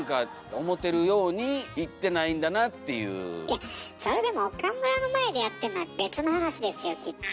いやそれでも岡村の前でやってんのは別の話ですよきっと。